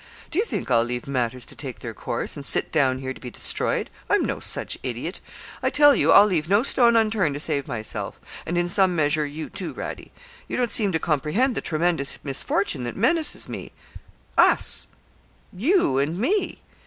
Do you think I'll leave matters to take their course, and sit down here to be destroyed? I'm no such idiot. I tell you I'll leave no stone unturned to save myself; and, in some measure, you too, Radie. You don't seem to comprehend the tremendous misfortune that menaces me us you and me.'